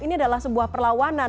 ini adalah sebuah perlawanan